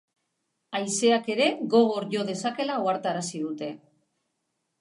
Haizeak ere gogor jo dezakeela ohartarazi dute.